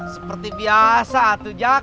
seperti biasa atu jak